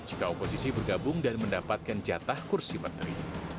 jika oposisi bergabung dan mendapatkan jatah kursi menteri